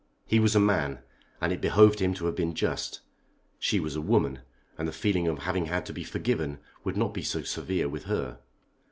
He was a man, and it behoved him to have been just. She was a woman, and the feeling of having had to be forgiven would not be so severe with her.